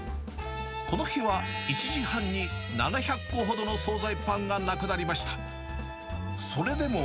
この日は１時半に７００個ほどの総菜パンがなくなりました。